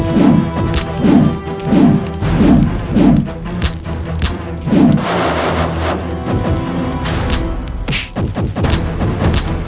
kau tidak akan sanggap